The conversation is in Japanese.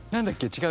違う。